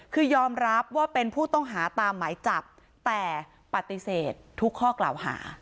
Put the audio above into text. คือยอมรับว่าเป็นผู้ต้องหาตามหมายจับแต่ปฏิเสธทุกข้อกล่าวหา